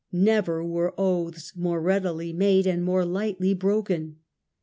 Never were oaths more readily made and more lightly broken.